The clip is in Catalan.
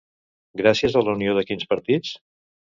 Gràcies a la unió de quins partits?